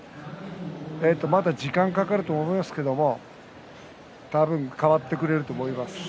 まだ時間がかかると思いますが変わってくると思います。